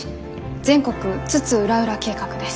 全国津々浦々計画」です。